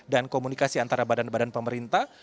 dan komunikasi antara badan badan pemerintah